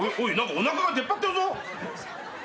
おなかが出っ張ってるぞ。